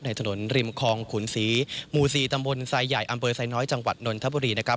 ในถนนริมคลองขุนศรีมูศรีตำบลสายใหญ่อำเบอร์สายน้อยจังหวัดนนทบุรีนะครับ